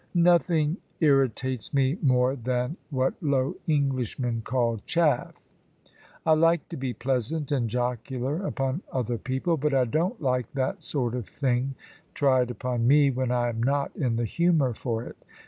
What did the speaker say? Nothing irritates me more than what low Englishmen call "chaff." I like to be pleasant and jocular upon other people; but I don't like that sort of thing tried upon me when I am not in the humour for it.